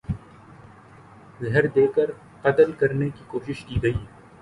زہر دے کر قتل کرنے کی کوشش کی گئی